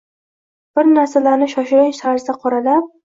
Bir narsalarni shoshilinch tarzda qoralab